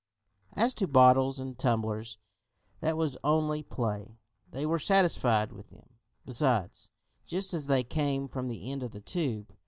As to bottles and tumblers, that was only play. They were satisfied with them, besides, just as they came from the end of the tube.